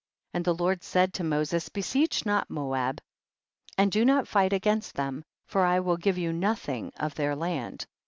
12. And the Lord said to Moses, besiege not Moab, and do not fight against them, for I will give you nothing of their land.